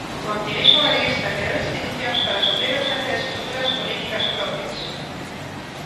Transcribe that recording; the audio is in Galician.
O activismo galeguista creou institucións para suplir a ausencia de estruturas políticas propias.